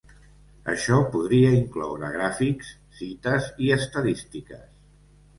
Això podria incloure gràfics, cites i estadístiques.